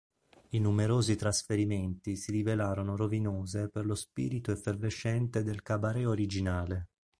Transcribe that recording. I numerosi trasferimenti si rivelarono rovinose per lo spirito effervescente del cabaret originale.